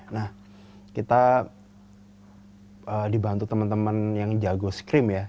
nah kita dibantu teman teman yang jago screen ya